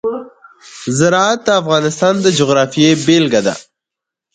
زراعت د افغانستان د جغرافیې بېلګه ده.